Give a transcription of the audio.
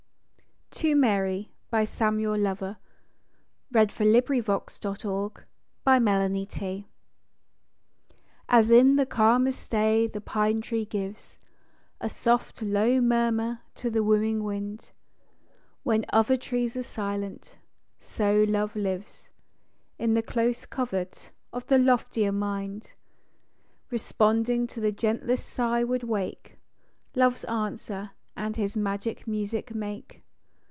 st, in seeking too straight ones â you get but the crooked. TO MARY. As in the calmest day the pine tree gives A soft low murmur to the wooing wind, When other trees are silent â so love lives In the close covert of the loftier mind, Responding to the gentlest sigh would wake Love's answer, and his magic music make.